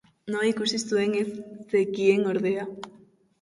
Non ikusi zuen ez zekien ordea.